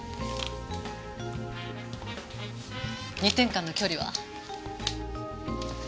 ２点間の距離は。